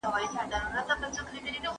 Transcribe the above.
وعدې به ماتې سي.